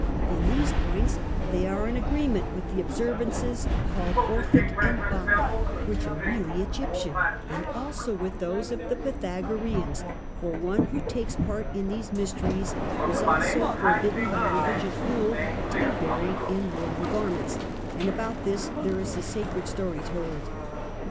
In these points they are in agreement with the observances called Orphic and Bacchic (which are really Egyptian), and also with those of the Pythagoreans, for one who takes part in these mysteries is also forbidden by religious rule to be buried in woolen garments; and about this there is a sacred story told.